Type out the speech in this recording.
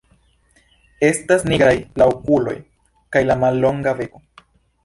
Estas nigraj la okuloj kaj la mallonga beko.